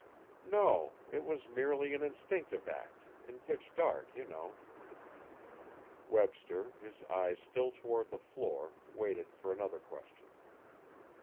"No. It was merely an instinctive act in pitch dark, you know." Webster, his eyes still toward the floor, waited for another question.